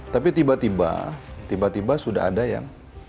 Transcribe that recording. tapi tiba tiba tiba sudah ada yang